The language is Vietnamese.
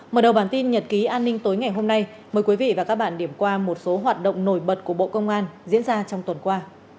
mở đầu bản tin nhật ký an ninh tối ngày hôm nay mời quý vị và các bạn điểm qua một số hoạt động nổi bật của bộ công an diễn ra trong tuần qua